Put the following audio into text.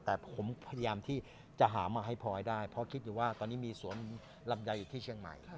แต่ผมพยายามที่จะหามาให้พลอยได้เพราะคิดอยู่ว่าตอนนี้มีสวนลำไยอยู่ที่เชียงใหม่